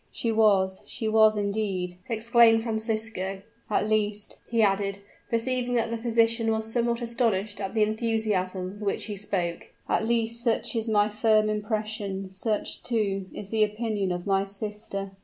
"She was she was indeed!" exclaimed Francisco. "At least," he added, perceiving that the physician was somewhat astonished at the enthusiasm with which he spoke "at least, such is my firm impression; such, too, is the opinion of my sister."